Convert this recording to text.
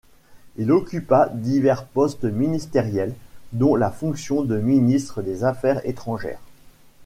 Il occupa divers postes ministériels, dont la fonction de ministre des Affaires étrangères.